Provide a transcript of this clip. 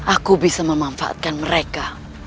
aku bisa memanfaatkan mereka